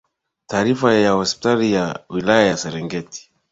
Taarifa ya hospitali ya wilaya ya serengeti